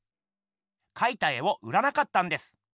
かいた絵を売らなかったんです。